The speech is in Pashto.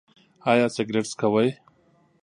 ایا سګرټ څکوئ؟